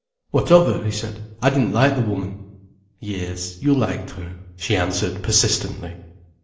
"What of her?" he said. "I didn't like the woman." "Yes, you liked her," she answered persistently.